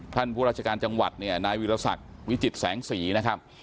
ท่านผู้ราชการจังหวัดนายวิรสัตว์วิจิตรแสงสีนะครับ